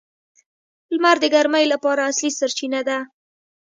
• لمر د ګرمۍ لپاره اصلي سرچینه ده.